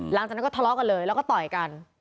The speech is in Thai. หลังจากนั้นก็ทะเลาะกันเลยแล้วก็ต่อยกัน